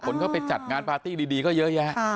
คนเข้าไปจัดงานปาร์ตี้ดีก็เยอะแยะ